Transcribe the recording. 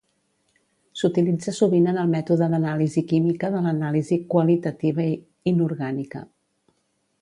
S'utilitza sovint en el mètode d'anàlisi química de l'anàlisi qualitativa inorgànica.